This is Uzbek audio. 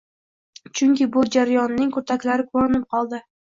chunki bu jarayonning kurtaklari ko‘rinib qoldi.